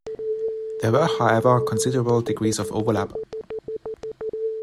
There were however considerable degrees of overlap.